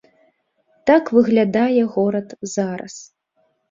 Так выглядае горад зараз.